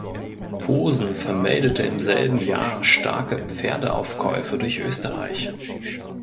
Posen vermeldete im selben Jahr „starke Pferdeaufkäufe“ durch Österreich.